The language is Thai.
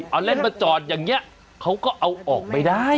เอาเล่นมาจอดอย่างนี้เขาก็เอาออกไม่ได้